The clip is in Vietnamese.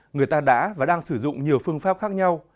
người ta đã và đang sử dụng nhiều phương pháp khác nhau